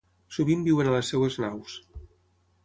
Sovint viuen a les seves naus.